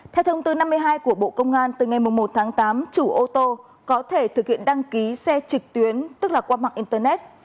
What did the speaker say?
theo thông tư năm mươi hai của bộ công an từ ngày một tháng tám chủ ô tô có thể thực hiện đăng ký xe trực tuyến tức là qua mạng internet